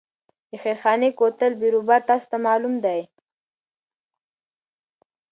د خیرخانې کوتل بیروبار تاسو ته معلوم دی.